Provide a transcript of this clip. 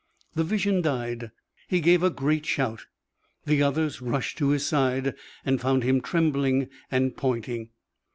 The vision died. He gave a great shout. The others rushed to his side and found him trembling and pointing.